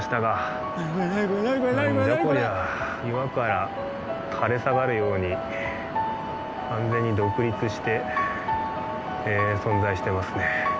岩から垂れ下がるように完全に独立して存在してますね。